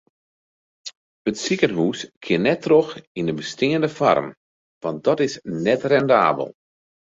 It sikehûs kin net troch yn de besteande foarm want dat is net rendabel.